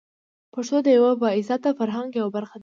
پښتو د یوه با عزته فرهنګ یوه برخه ده.